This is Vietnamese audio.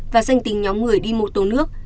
và danh tình nhóm người đi một tổ nước